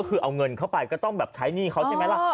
ก็คือเอาเงินเข้าไปก็ต้องแบบใช้หนี้เขาใช่ไหมล่ะ